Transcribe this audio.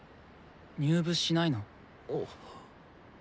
入部しないの？